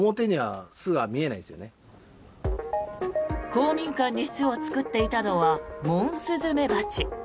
公民館に巣を作っていたのはモンスズメバチ。